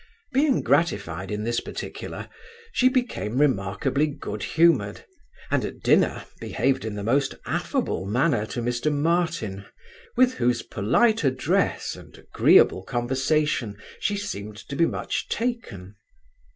Being gratified in this particular, she became remarkably goodhumoured, and at dinner behaved in the most affable manner to Mr Martin, with whose polite address and agreeable conversation she seemed to be much taken.